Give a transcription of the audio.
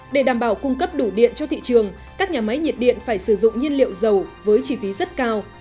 để đảm bảo cung cấp đủ điện cho thị trường các nhà máy nhiệt điện phải sử dụng nhiên liệu dầu với chi phí rất cao